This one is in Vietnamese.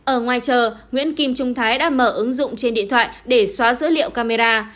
ở ngoài chờ nguyễn kim trung thái đã mở ứng dụng trên điện thoại để xóa dữ liệu camera